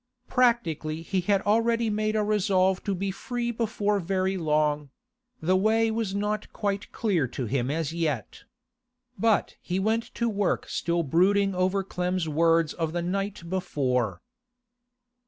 Practically he had already made a resolve to be free before very long; the way was not quite clear to him as yet. But he went to work still brooding over Clem's words of the night before.